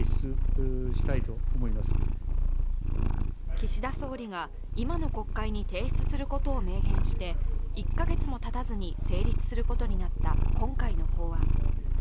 岸田総理が今の国会に提出することを明言して１か月もたたずに成立することになった今回の法案。